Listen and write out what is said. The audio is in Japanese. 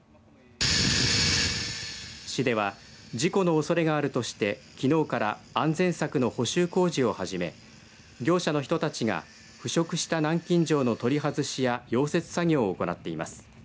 市では事故のおそれがあるとしてきのうから安全柵の補修工事を始め業者の人たちが腐食した南京錠の取り外しや溶接作業を行っています。